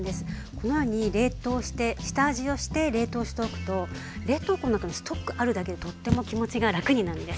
このように冷凍して下味をして冷凍をしておくと冷凍庫の中のストックあるだけでとっても気持ちが楽になるんです。